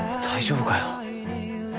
大丈夫かよ？